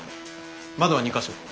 窓は２か所。